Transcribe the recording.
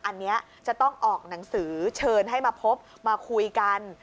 อันนี้จะต้องออกหนังสือเชิญให้มาพบมาคุยกัน